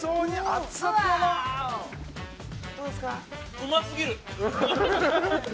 うますぎる。